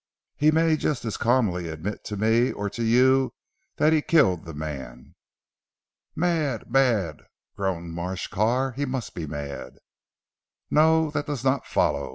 He may just as calmly admit to me or to you that he killed the man." "Mad! Mad!" groaned Marsh Carr, "he must be mad." "No. That does not follow.